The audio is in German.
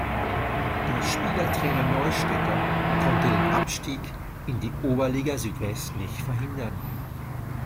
Der Spielertrainer Neustädter konnte den Abstieg in die Oberliga Südwest nicht verhindern.